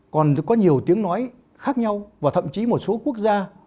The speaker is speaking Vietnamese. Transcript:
còn có nhiều tiếng nói khác nhau và thậm chí một số quốc gia